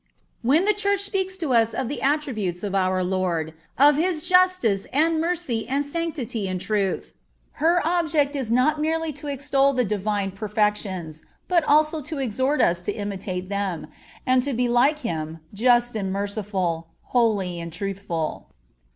When the Church speaks to us of the attributes of our Lord, of His justice and mercy and sanctity and truth, her object is not merely to extol the Divine perfections, but also to exhort us to imitate them, and to be like Him, just and merciful, holy and truthful.